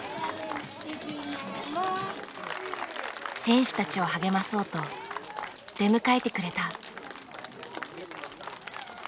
選手たちを励まそうと出迎えてくれた。